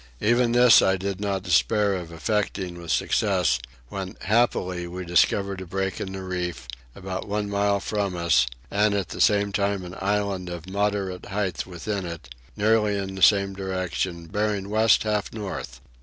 Even this I did not despair of effecting with success when happily we discovered a break in the reef, about one mile from us, and at the same time an island of a moderate height within it, nearly in the same direction, bearing west half north.